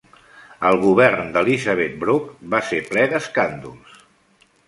El govern d'Elizabeth Broke va ser ple d'escàndols.